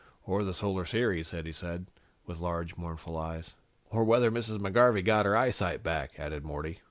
"Or the Solar Series," Eddie said, with large mournful eyes. "Or whether Mrs. McGarvey got her eyesight back," added Morty.